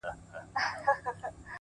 سترګي دي هغسي نسه وې! نسه یي ـ یې کړمه!